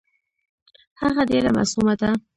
هغه ډېره معصومه ده .